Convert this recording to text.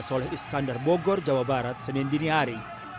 soleh iskandar bogor jawa barat senin diniari